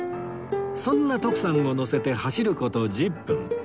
そんな徳さんを乗せて走る事１０分